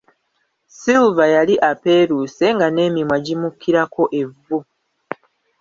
Silver yali apeeruuse nga n'emimwa gimukirako evvu.